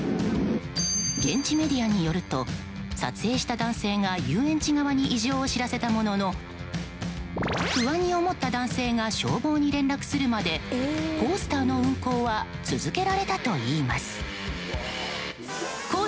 現地メディアによると撮影した男性が遊園地側に異常を知らせたものの不安に思った男性が消防に連絡するまでコースターの運行は続けられたといいます。